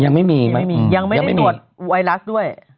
ยังไม่มีไม่มียังไม่ได้ตรวจไวรัสด้วย